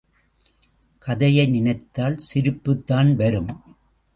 கதையை நினைத்தால் சிரிப்புத்தான் வரும்.